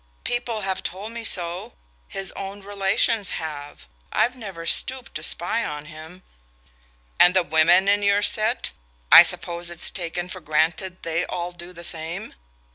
"People have told me so his own relations have. I've never stooped to spy on him...." "And the women in your set I suppose it's taken for granted they all do the same?"